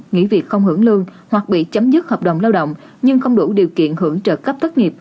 nghỉ việc không hưởng lương hoặc bị chấm dứt hợp đồng lao động nhưng không đủ điều kiện hưởng trợ cấp thất nghiệp